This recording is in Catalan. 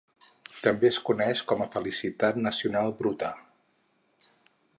També es coneix com a Felicitat Nacional Bruta.